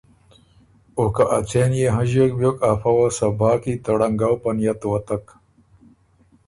او که ا څېن يې هنݫیوک بیوک ا فۀ وه صبا کی ته ړنګؤ په نئت وتک